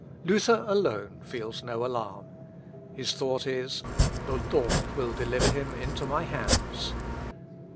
Luther alone feels no alarm. His thought is, "The Lord will deliver him into my hands."